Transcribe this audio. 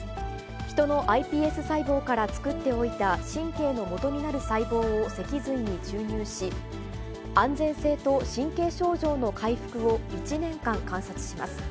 ヒトのｉＰＳ細胞から作っておいた神経のもとになる細胞を脊髄に注入し、安全性と神経症状の回復を１年間観察します。